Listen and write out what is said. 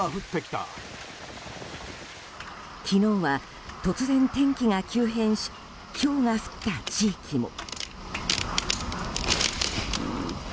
昨日は、突然天気が急変しひょうが降った地域も。